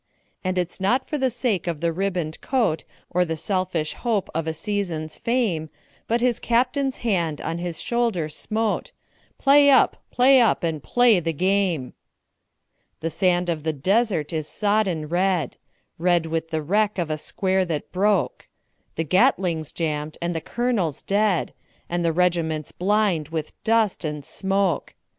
And it's not for the sake of a ribboned coat, Or the selfish hope of a season's fame, But his Captain's hand on his shoulder smote "Play up! play up! and play the game!" The sand of the desert is sodden red, Red with the wreck of a square that broke; The Gatling's jammed and the colonel dead, And the regiment blind with dust and smoke.